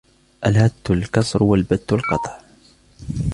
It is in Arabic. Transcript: الْهَتُّ الْكَسْرُ وَالْبَتُّ الْقَطْعُ